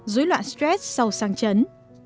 dối loạn stress sau sang chấn